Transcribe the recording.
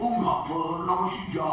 oh nggak pernah masih jauh pak